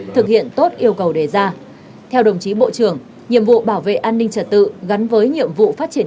thực hiện tốt yêu cầu đề ra theo đồng chí bộ trưởng nhiệm vụ bảo vệ an ninh trật tự gắn với nhiệm vụ phát triển